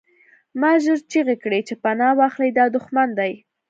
ما ژر چیغې کړې چې پناه واخلئ دا دښمن دی